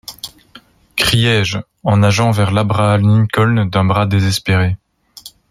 criai-je, en nageant vers l’Abraham-Lincoln d’un bras désespéré.